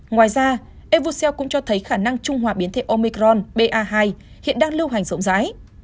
ngoài ra evoseel cũng cho thấy khả năng trung hòa biến thể omicron ba hai hiện đang lưu hành rộng rãi